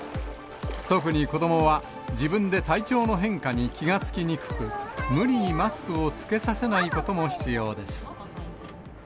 特に子どもは、自分で体調の変化に気が付きにくく、無理にマスクを着けさせないことも必要です。